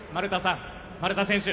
丸田選手